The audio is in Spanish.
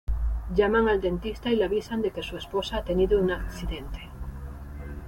Llaman al dentista y le avisan de que su esposa ha tenido un accidente.